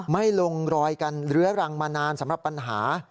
ไม่ลงรอยกันเรื้อรังมานานสำหรับปัญหา